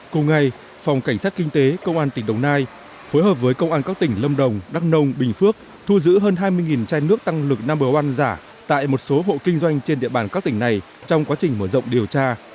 cùng ngày phòng cảnh sát kinh tế công an tỉnh đồng nai phối hợp với công an các tỉnh lâm đồng đắk nông bình phước thu giữ hơn hai mươi chai nước tăng lực number one giả tại một số hộ kinh doanh trên địa bàn các tỉnh này trong quá trình mở rộng điều tra